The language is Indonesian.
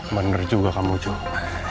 bener juga kamu joe